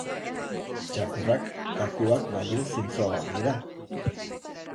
Txakurrak katuak baino zintzoagoak dira